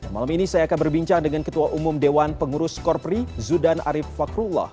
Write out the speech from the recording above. malam ini saya akan berbincang dengan ketua umum dewan pengurus korpri zudan arief fakrullah